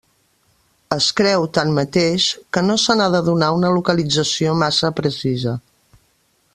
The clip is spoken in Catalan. Es creu, tanmateix, que no se n'ha de donar una localització massa precisa.